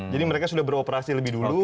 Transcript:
jadi mereka sudah beroperasi lebih dulu